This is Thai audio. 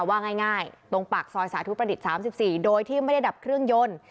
ว่าง่ายตรงปากซอยสาธุประดิษฐ์๓๔โดยที่ไม่ได้ดับเครื่องยนต์